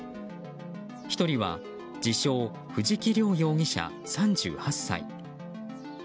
１人は自称藤木涼容疑者、３８歳。